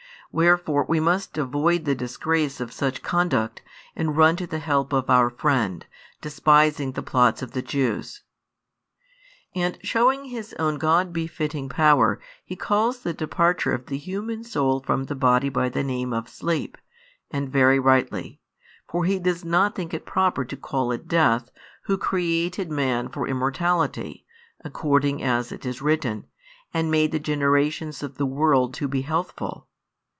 Wherefore we must avoid the disgrace of such conduct, and run to the help of our friend, despising the plots of the Jews." And shewing His own God befitting power, He calls the departure of the human soul from the body by the name of sleep, and very rightly: for He does not think it proper to call it death, Who created man for immortality, according as it is written, and made the generations of the world to be healthful.